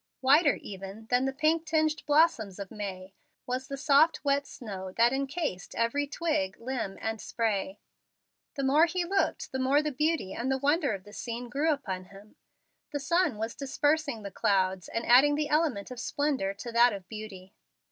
Whiter even than the pink tinged blossoms of May, was the soft wet snow that incased every twig, limb, and spray. The more he looked, the more the beauty and the wonder of the scene grew upon him. The sun was dispersing the clouds and adding the element of splendor to that of beauty.